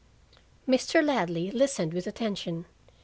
Mr. Ladley listened with attention.